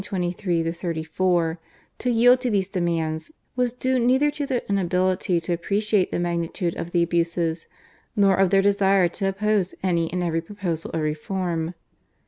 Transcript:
(1523 34) to yield to these demands was due neither to their inability to appreciate the magnitude of the abuses nor of their desire to oppose any and every proposal of reform.